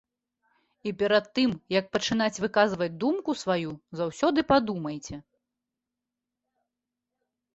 І перад тым, як пачынаць выказваць думку сваю, заўсёды падумайце.